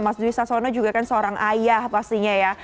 mas wisa sono juga kan seorang ayah pastinya ya